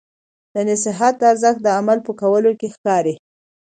د نصیحت ارزښت د عمل په کولو کې ښکاري.